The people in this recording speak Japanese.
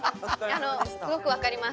あのすごく分かります。